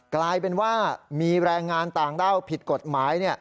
กลายเป็นว่ามีแรงงานต่างด้าวผิดกฎหมาย